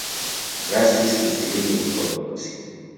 Praxis is 'living Orthodoxy'.